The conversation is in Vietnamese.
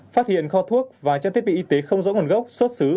phát hiện kho thuốc và trang thiết bị y tế không rõ nguồn gốc xuất xứ